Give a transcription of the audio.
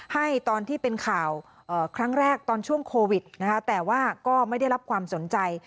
ให้ตอนที่เป็นข่าวครั้งแรกตอนช่วงโควิดนะคะแต่ว่าก็ไม่ได้รับความสนใจ